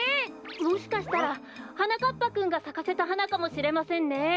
もしかしたらはなかっぱくんがさかせたはなかもしれませんね。